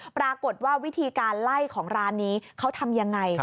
ปรากฏว่าวิธีการไล่ของร้านนี้เขาทำยังไง